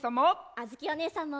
あづきおねえさんも！